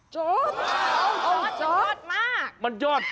จอดครับโอ้ยจอดมาก